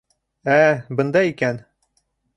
Ә-ә-ә, бында икән!